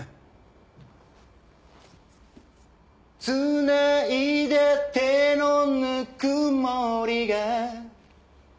「繋いだ手のぬくもりが」